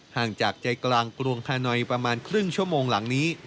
ห่างจากใจกลางกรุงธานอยประมาณครึ่งชั่วโมงหลังนี้